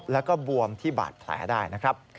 อักเสบและก็บวมที่บาดแผลได้นะครับ